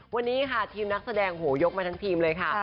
วันนี้ค่ะทีมนักแสดงโหยกมาทั้งทีมเลยค่ะ